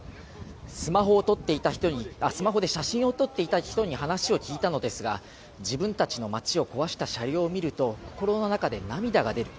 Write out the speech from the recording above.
スマホで写真を撮っていた人に話を聞いたのですが自分たちの街を壊した車両を見ると心の中で涙が出る。